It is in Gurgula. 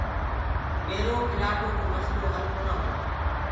ميرو پِلآٽو ڪو مسلو هل ڪونآ هُرو۔